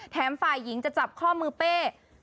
ฝ่ายหญิงจะจับข้อมือเป้